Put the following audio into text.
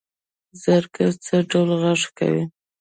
زرکه څه ډول غږ کوي؟